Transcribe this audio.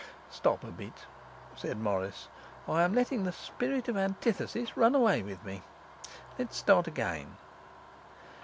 'Stop a bit,' said Morris. 'I am letting the spirit of antithesis run away with me. Let's start again.